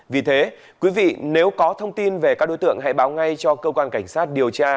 vì thế quý vị nếu có thông tin về các đối tượng hãy báo ngay cho cơ quan cảnh sát điều tra